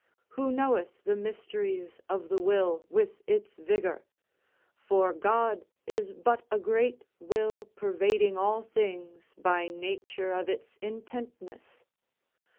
Who knoweth the mysteries of the will, with its vigor? For God is but a great will pervading all things by nature of its intentness.